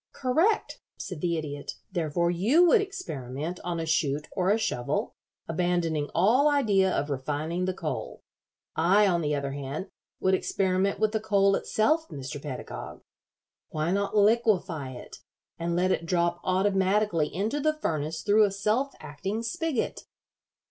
"Correct," said the Idiot. "Therefore, you would experiment on a chute or a shovel, abandoning all idea of refining the coal. I, on the other hand, would experiment with the coal itself, Mr. Pedagog. Why not liquefy it, and let it drop automatically into the furnace through a self acting spigot?"